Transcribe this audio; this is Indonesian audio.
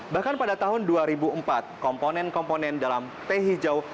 bahkan pada tahun dua ribu empat komponen komponen dalam teh hijau